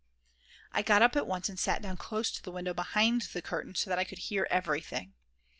I got up at once and sat down close to the window behind the curtain so that I could hear everything.